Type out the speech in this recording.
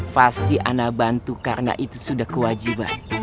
pasti ana bantu karena itu sudah kewajiban